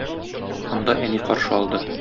Анда әни каршы алды.